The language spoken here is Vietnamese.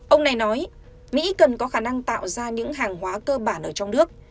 ông này nói mỹ cần có khả năng tạo ra những hàng hóa cơ bản ở trong nước